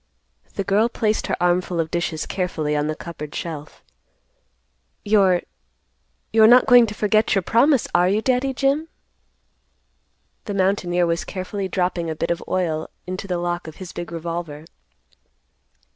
The girl placed her armful of dishes carefully on the cupboard shelf; "You're—you're not going to forget your promise, are you, Daddy Jim?" The mountaineer was carefully dropping a bit of oil into the lock of his big revolver.